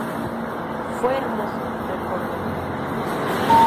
Fue hermoso", recordó.